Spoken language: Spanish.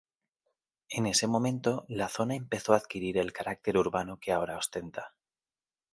En ese momento la zona empezó a adquirir el carácter urbano que ahora ostenta.